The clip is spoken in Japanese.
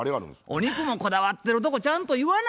お肉もこだわってるとこちゃんと言わな。